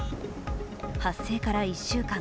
発生から１週間。